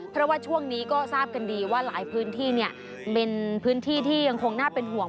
เพราะว่าช่วงนี้ก็ทราบกันดีว่าหลายพื้นที่เป็นพื้นที่ที่ยังคงน่าเป็นห่วง